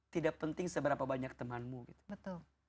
tidak penting seberapa banyak temanmu gitu betul